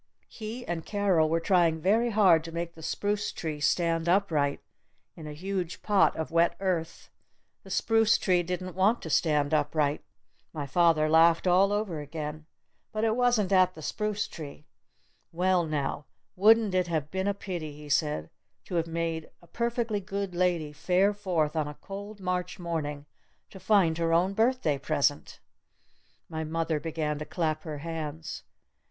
He and Carol were trying very hard to make the spruce tree stand upright in a huge pot of wet earth. The spruce tree didn't want to stand upright. My father laughed all over again. But it wasn't at the spruce tree. "Well, now, wouldn't it have been a pity," he said, "to have made a perfectly good lady fare forth on a cold March morning to find her own birthday present?" My mother began to clap her hands.